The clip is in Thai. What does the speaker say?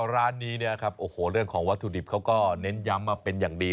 ร้านนี้นะครับโอ้โหเรื่องของวัตถุดิบเขาก็เน้นย้ำมาเป็นอย่างดี